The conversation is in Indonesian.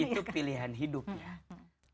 itu pilihan hidupnya